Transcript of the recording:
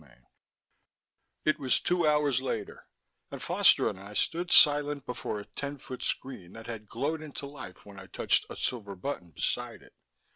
CHAPTER VII It was two hours later, and Foster and I stood silent before a ten foot screen that had glowed into life when I touched a silver button beside it.